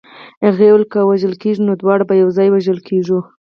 هغې ویل که وژل کېږو نو دواړه به یو ځای وژل کېږو